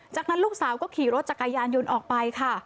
จากนั้นลูกสาวก็ขี่รถจักรยานยนต์ออกไปค่ะ